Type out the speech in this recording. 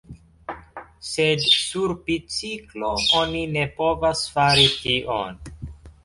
Sed sur biciklo oni ne povas fari tion.